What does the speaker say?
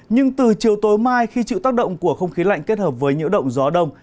nhưng từ chiều tối mai khi chịu tác động của không khí lạnh kết hợp với nhiễu động gió đông